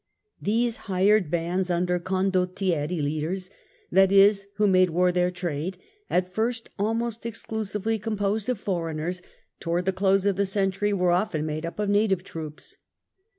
These hired bands under Condottieri, leaders, that is, who made war their trade, at first almost exclusively composed of foreigners, towards the close of the century were often made up of native troops.